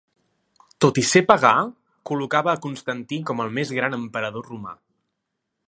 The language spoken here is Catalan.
Tot i ser pagà, col·locava a Constantí com el més gran emperador romà.